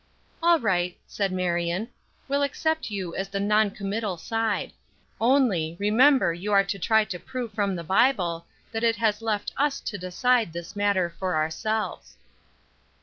"All right," said Marion, "we'll accept you on the non committal side. Only, remember you are to try to prove from the Bible that it has left us to decide this matter for ourselves."